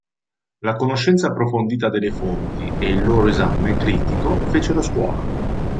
La conoscenza approfondita delle fonti e il loro esame critico fecero scuola.